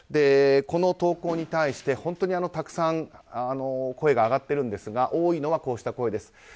この投稿に対して本当にたくさん声が上がっているんですが多いのが、こうした声です。